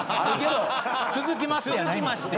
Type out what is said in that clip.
「続きまして」